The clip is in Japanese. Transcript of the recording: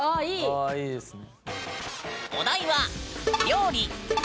ああいいですね。